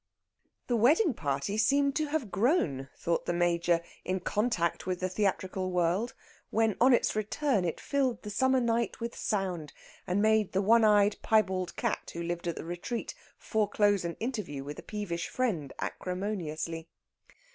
The wedding party seemed to have grown, thought the Major, in contact with the theatrical world when, on its return, it filled the summer night with sound, and made the one eyed piebald cat who lived at The Retreat foreclose an interview with a peevish friend acrimoniously.